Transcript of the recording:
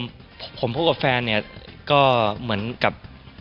ผู้ชมผมพบกับแฟนเนี่ยก็เหมือนกับ